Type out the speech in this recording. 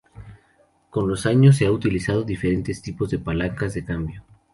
Con los años, se han utilizado diferentes tipos de palancas de cambio.